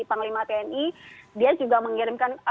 panglima tni dia juga mengirimkan